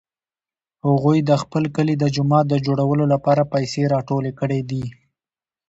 هغوی د خپل کلي د جومات د جوړولو لپاره پیسې راټولې کړې دي